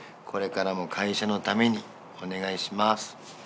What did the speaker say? これからも会社のためにお願いします。